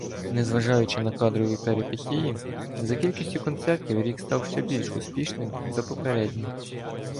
Незважаючи на кадрові перипетії, за кількістю концертів рік став ще більш успішнішим за попередній: